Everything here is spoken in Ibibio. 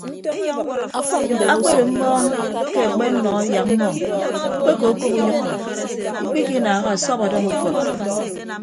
Akpedo mmọọñ ke akpennọ yak ññwoñ mkpekokop uyʌkkọ ikpikinaaha asọp ọdọñ ukọd.